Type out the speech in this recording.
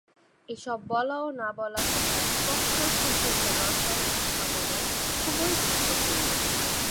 এসব বলা ও না বলা কথা দ্বিপক্ষীয় সম্পর্কের রসায়ন অনুধাবনে খুবই গুরুত্বপূর্ণ।